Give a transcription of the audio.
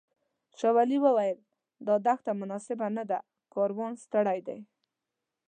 شاولي وویل دا دښته مناسبه نه ده کاروان ستړی دی.